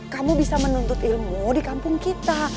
kamu bisa menuntut ilmu di kampung kita